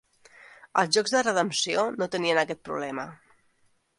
Els jocs de redempció no tenien aquest problema.